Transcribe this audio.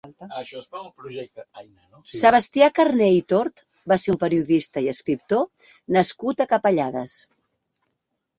Sebastià Carner i Tort va ser un periodista i escriptor nascut a Capellades.